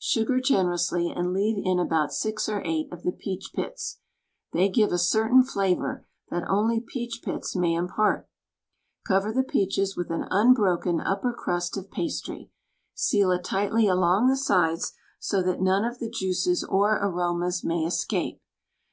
Sugar generously, and leave in about six or eight of the peach pits — they give a certain flavor that only peach pits may impart. Cover the peaches with an unbroken upper crust of pastry ; seal it tightly along the sides, so that none of the juices or aromas may escape.